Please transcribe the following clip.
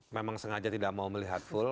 memang sengaja tidak mau melihat full